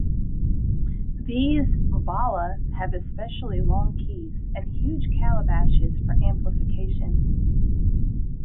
These "bala" have especially long keys and huge calabashes for amplification.